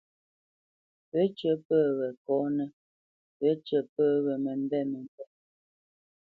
Wécyə̌ pə́ we kɔ́nə́, wécyə̌ pə́ we məmbêt məmbêt.